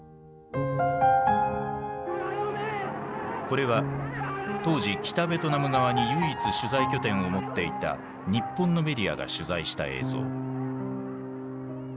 これは当時北ベトナム側に唯一取材拠点を持っていた日本のメディアが取材した映像。